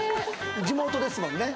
地元ですもんね